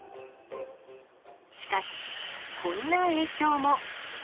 しかし、こんな影響も。